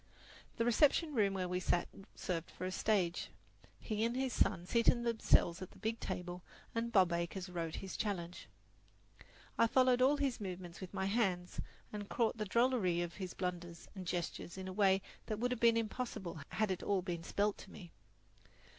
The reception room where we sat served for a stage. He and his son seated themselves at the big table, and Bob Acres wrote his challenge. I followed all his movements with my hands, and caught the drollery of his blunders and gestures in a way that would have been impossible had it all been spelled to me.